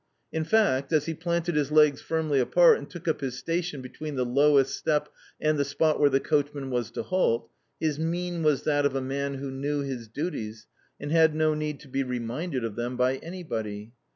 In fact, as he planted his legs firmly apart and took up his station between the lowest step and the spot where the coachman was to halt, his mien was that of a man who knew his duties and had no need to be reminded of them by anybody.